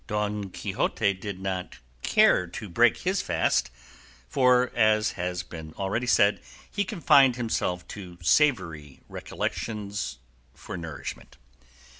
Don Quixote did not care to break his fast, for, as has been already said, he confined himself to savoury recollections for nourishment.